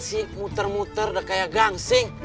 sik muter muter udah kayak gangsing